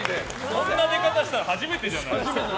こんな出方したの初めてじゃない？